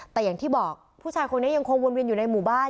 แต่อย่างที่บอกผู้ชายคนนี้ยังคงวนเวียนอยู่ในหมู่บ้าน